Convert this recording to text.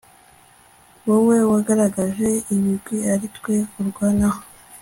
wowe wagaragaje ibigwi ari twe urwanaho